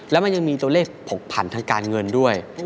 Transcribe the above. แล้วมันยังมีตัวเลขผกผันทางการเงินด้วย